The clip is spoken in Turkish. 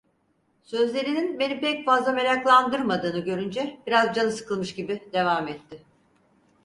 Sözlerinin beni pek fazla meraklandırmadığını görünce biraz canı sıkılmış gibi devam etti…